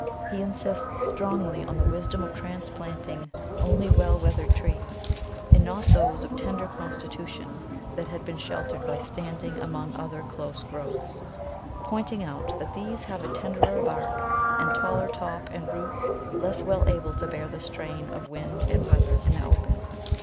He insists strongly on the wisdom of transplanting only well weathered trees, and not those of tender constitution that had been sheltered by standing among other close growths, pointing out that these have a tenderer bark and taller top and roots less well able to bear the strain of wind and weather in the open.